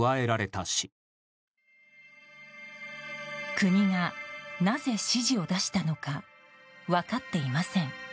国がなぜ指示を出したのか分かっていません。